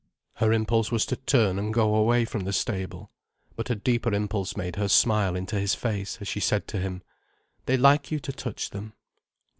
Her impulse was to turn and go away from the stable. But a deeper impulse made her smile into his face, as she said to him: "They like you to touch them."